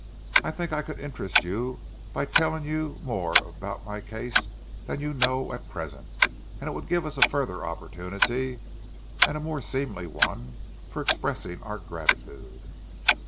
I think I could interest you by telling you more about my case than you know at present, and it would give us a further opportunity, and a more seemly one, for expressing our gratitude."